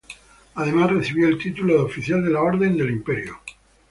Además recibió el título de Oficial de la Orden del Imperio Británico.